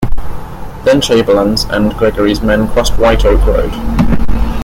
Then Chamberlain's and Gregory's men crossed White Oak Road.